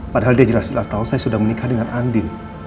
padahal dia jelas jelas tahu saya sudah menikah dengan andin